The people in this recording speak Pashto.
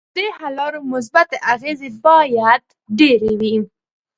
ددې حل لارو مثبتې اغیزې باید ډیرې وي.